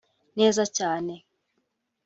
neza cyane